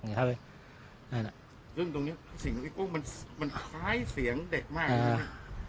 ด้วยตรงนี้เสียงนกมันคล้ายเสียงเด็กมาก